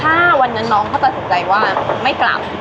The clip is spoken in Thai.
ถ้าวันนั้นน้องเขาตัดสินใจว่าไม่กลับ